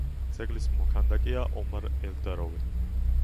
ძეგლის მოქანდაკეა ომარ ელდაროვი.